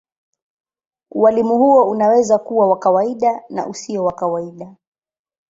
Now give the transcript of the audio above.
Ualimu huo unaweza kuwa wa kawaida na usio wa kawaida.